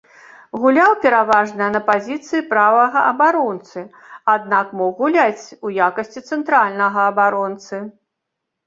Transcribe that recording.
Гуляў пераважна на пазіцыі правага абаронцы, аднак мог гуляць у якасці цэнтральнага абаронцы.